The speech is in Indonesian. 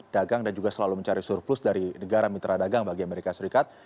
dagang dan juga selalu mencari surplus dari negara mitra dagang bagi amerika serikat